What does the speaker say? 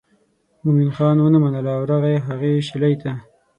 مومن خان ونه منله او راغی هغې شېلې ته.